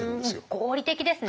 合理的ですね！